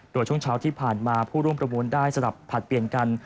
โดยช่วงเช้าที่ผ่านมาผู้ร่วมประมูลได้สลับผลัดเปลี่ยนกัน